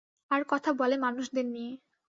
আর কথা বলে মানুষদের নিয়ে।